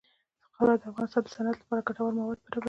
خاوره د افغانستان د صنعت لپاره ګټور مواد برابروي.